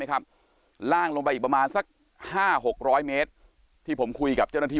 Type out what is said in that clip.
ล่างลงไปอีกประมาณสัก๕๖๐๐เมตรที่ผมคุยกับเจ้าหน้าที่